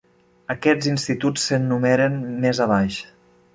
Aquests instituts s'enumeren més abaix.